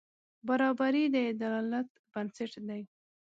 برابري د عدالت بنسټ دی.